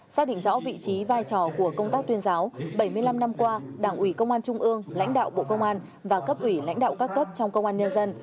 xác định rõ vị trí vai trò của công tác tuyên giáo bảy mươi năm năm qua đảng ủy công an trung ương lãnh đạo bộ công an và cấp ủy lãnh đạo các cấp trong công an nhân dân